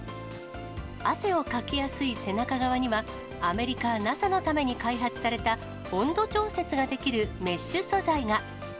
汗をかきやすい背中側には、アメリカ・ＮＡＳＡのために開発された、温度調節ができるメッシュ素材が。